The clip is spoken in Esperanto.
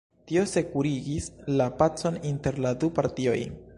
Tio sekurigis la pacon inter la du partioj.